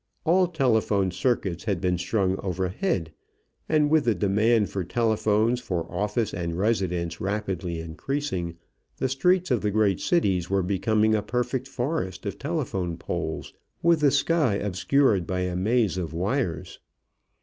All telephone circuits had been strung overhead, and with the demand for telephones for office and residence rapidly increasing, the streets of the great cities were becoming a perfect forest of telephone poles, with the sky obscured by a maze of wires.